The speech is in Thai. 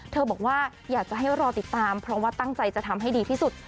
บอกว่าอยากจะให้รอติดตามเพราะว่าตั้งใจจะทำให้ดีที่สุด